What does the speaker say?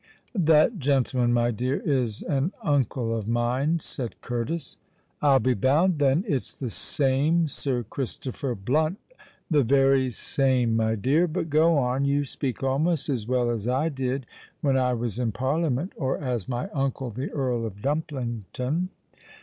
"That gentleman, my dear, is an uncle of mine," said Curtis. "I'll be bound, then, it's the same Sir Christopher Blunt——" "The very same, my dear. But go on: you speak almost as well as I did when I was in Parliament—or as my uncle the Earl of Dumplington."